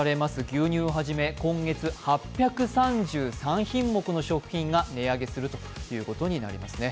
牛乳をはじめ、今月８３３品目の食品が値上げするということになります。